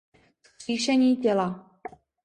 vzkříšení těla